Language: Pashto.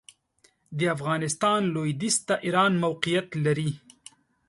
د افغانستان لوېدیځ ته ایران موقعیت لري.